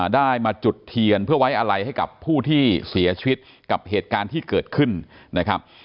ได้มาจุดเทียนเพื่อไว้อะไรให้กับผู้ที่เสียชีวิตกับเหตุการณ์ที่เกิดขึ้นนะครับ